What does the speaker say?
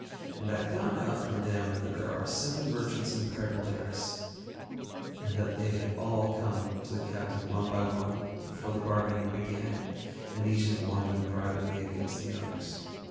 And I found out from them that there are seven merchants in Perd├│ndaris, and that they had all come to the captain one by one before the bargaining began, and each had warned him privately against the others.